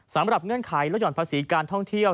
สำหรับเงื่อนไขลดหย่อนภาษีการท่องเที่ยว